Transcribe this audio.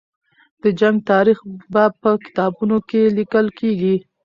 د جنګ تاریخ به په کتابونو کې لیکل کېږي.